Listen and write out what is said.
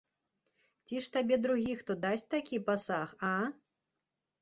Ці ж табе другі хто дасць такі пасаг, а?